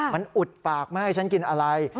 มันอุดปากไม่ให้ฉันกินอะไร